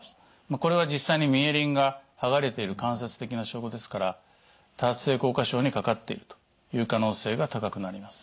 これは実際にミエリンが剥がれている間接的な証拠ですから多発性硬化症にかかっているという可能性が高くなります。